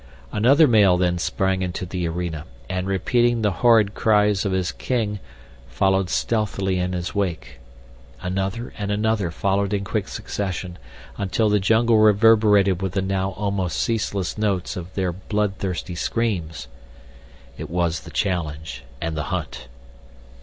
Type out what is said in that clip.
Another male then sprang into the arena, and, repeating the horrid cries of his king, followed stealthily in his wake. Another and another followed in quick succession until the jungle reverberated with the now almost ceaseless notes of their bloodthirsty screams. It was the challenge and the hunt.